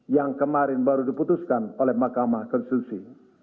yang kemarin baru diputuskan oleh mahkamah konstitusi